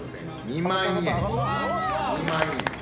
２万円。